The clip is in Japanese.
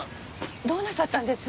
どうなさったんです？